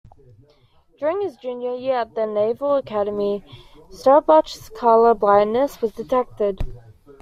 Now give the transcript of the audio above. During his junior year at the Naval Academy, Staubach's color-blindness was detected.